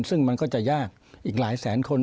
ซึ่งมันก็จะยากอีกหลายแสนคน